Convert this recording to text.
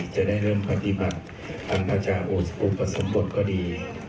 จะได้เริ่มพฤติบัติพรรณพชาอุปสมบทก็ดี